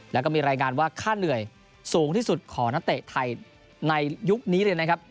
แล้วก็มีรายงานว่าค่าเหนื่อยสูงที่สุดของนักเตะไทยในยุคนี้เลยนะครับ